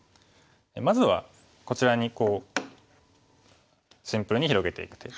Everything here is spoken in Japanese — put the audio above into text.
まずはこちらにこうシンプルに広げていく手。